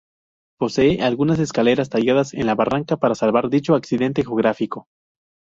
Posee algunas escaleras talladas en la barranca para salvar dicho accidente geográfico.